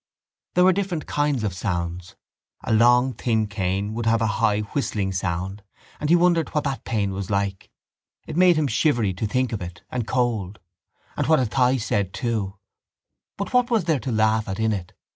There were different kinds of sounds. A long thin cane would have a high whistling sound and he wondered what was that pain like. It made him shivery to think of it and cold: and what Athy said too. But what was there to laugh at in it?